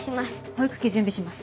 保育器準備します。